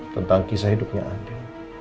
tentang kisah hidupnya andi